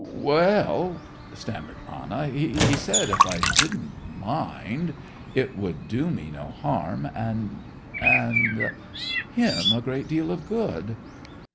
'Well,' stammered Anna; 'he said, if I didn't mind—it would do me no harm, and, and, him a great deal of good!